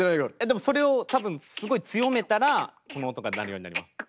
でもそれをたぶんすごい強めたらこの音が鳴るようになります。